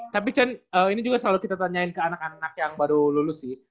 tapi ini juga selalu kita tanyain ke anak anak yang baru lulus sih